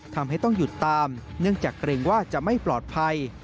ทำให้ต้องหยุดตามเนื่องจากเกรงว่าจะไม่ปลอดภัย